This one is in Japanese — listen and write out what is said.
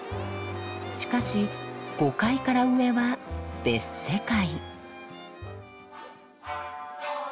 しかし５階から上は別世界。